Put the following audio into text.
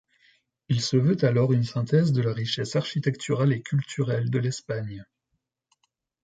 Il se veut alors une synthèse de la richesse architecturale et culturelle de l'Espagne.